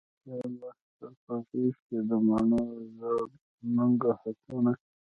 تشیال واخیستل په غیږکې، د مڼو ژړ نګهتونه